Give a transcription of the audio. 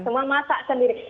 semua masak sendiri